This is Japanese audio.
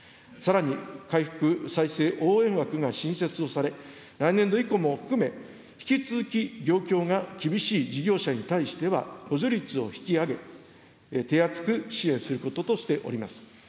さらに、回復・再生応援枠が新設をされ、来年度以降も含め、引き続き業況が厳しい事業者に対しては、補助率を引き上げ、手厚く支援することとしております。